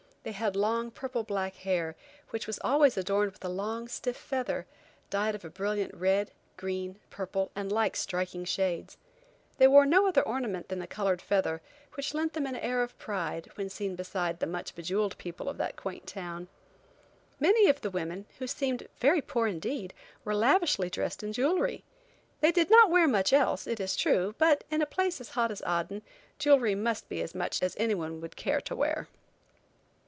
They had long purple black hair, which was always adorned with a long, stiff feather, dyed of brilliant red, green, purple, and like striking shades. They wore no other ornament than the colored feather, which lent them an air of pride, when seen beside the much bejeweled people of that quaint town. Many of the women, who seemed very poor indeed, were lavishly dressed in jewelry. They did not wear much else, it is true, but in a place as hot as Aden, jewelry must be as much as anyone would care to wear.